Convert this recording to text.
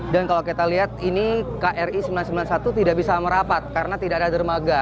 kalau kita lihat ini kri sembilan ratus sembilan puluh satu tidak bisa merapat karena tidak ada dermaga